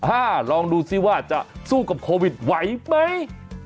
ลองดูซิว่าจะสู้กับโควิดไหวไหม